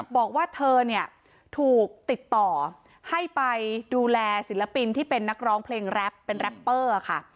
บอกว่าเธอเนี่ยถูกติดต่อให้ไปดูแลศิลปินที่เป็นนักร้องเพลงแรปเป็นแรปเปอร์ค่ะ